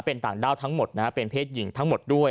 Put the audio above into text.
เป็นต่างด้าวทั้งหมดนะฮะเป็นเพศหญิงทั้งหมดด้วย